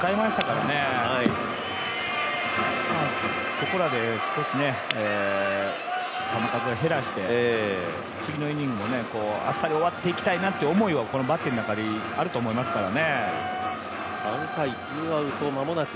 ここらで少し、球数を減らして次のイニングをあっさり抑えたいなという思いはこのバッテリーの中にあると思いますからね。